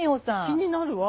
気になるわ。